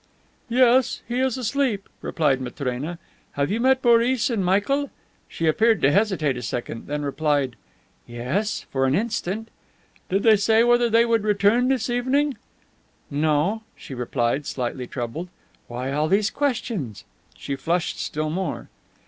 "Yes, he is asleep," replied Matrena. "Have you met Boris and Michael?" She appeared to hesitate a second, then replied: "Yes, for an instant." "Did they say whether they would return this evening?" "No," she replied, slightly troubled. "Why all these questions?" She flushed still more.